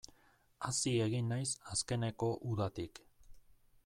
Hazi egin naiz azkeneko udatik.